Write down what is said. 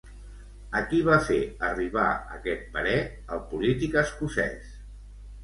A qui va fer arribar aquest parer el polític escocès?